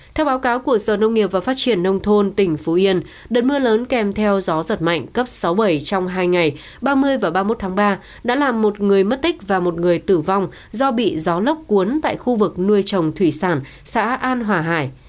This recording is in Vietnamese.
theo báo cáo của sở nông nghiệp và phát triển nông thôn tỉnh phú yên đợt mưa lớn kèm theo gió giật mạnh cấp sáu bảy trong hai ngày ba mươi và ba mươi một tháng ba đã làm một người mất tích và một người tử vong do bị gió lốc cuốn tại khu vực nuôi trồng thủy sản xã an hòa hải